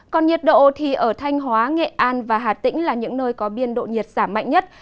còn nhiệt độ thì ở thanh hóa nghệ an và hà tĩnh là những nơi có biên độ nhiệt giảm mạnh nhất